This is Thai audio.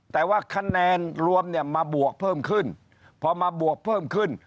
แต่ว่าคะแนนรวมเนี่ยมาบวกเพิ่มขึ้นพอมาบวกเพิ่มขึ้น